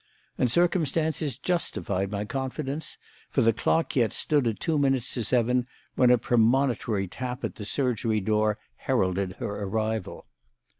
And circumstances justified my confidence; for the clock yet stood at two minutes to seven when a premonitory tap at the surgery door heralded her arrival.